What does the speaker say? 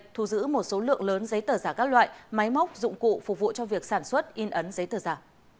thu giữ một số lượng lớn giấy tờ giả các loại máy móc dụng cụ phục vụ cho việc sản xuất in ấn giấy tờ giả